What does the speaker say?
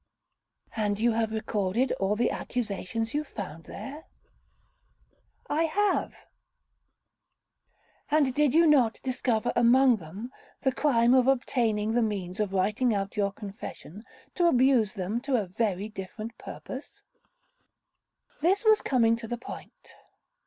'And you have recorded all the accusations you found there?' 'I have.' 'And you did not discover among them the crime of obtaining the means of writing out your confession, to abuse them to a very different purpose?'—This was coming to the point.